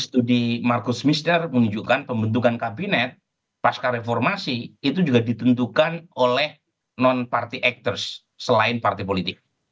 studi markus mister menunjukkan pembentukan kabinet pasca reformasi itu juga ditentukan oleh non party actors selain partai politik